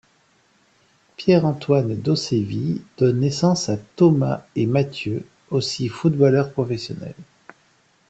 Pierre-Antoine Dossevi donne naissance à Thomas et Matthieu, aussi footballeurs professionnels.